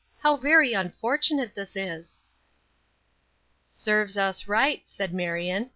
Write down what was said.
How very unfortunate this is!" "Serves us right," said Marion.